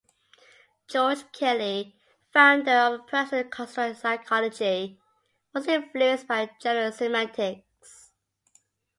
George Kelly, founder of Personal Construct Psychology, was influenced by general semantics.